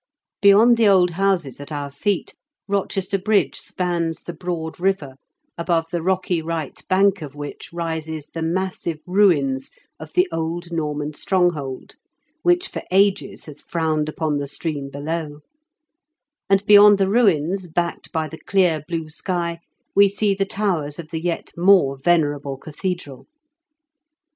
Beyond the old houses at our feet, Kochester Bridge spans the broad river, above the rocky right bank of which rises the massive ruins of the old Norman stronghold which for ages has frowned upon the stream below ; and beyond the ruins, backed by the clear blue sky, we see the towers of the yet more venerable cathedral.